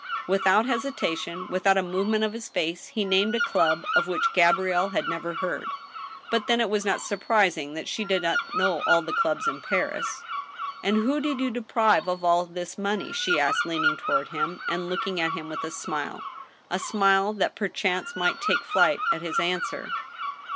Without hesitation, without a movement of his face, he named a club of which Gabrielle had never heard. But then it was not sur prising that she did not know all the clubs in Paris. " And who did you deprive of all this money ?" she asked, lean ing toward him, and looking at him with a smile — a smile that per chance might take flight at his answer.